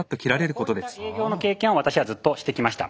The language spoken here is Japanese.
こういった営業の経験を私はずっとしてきました。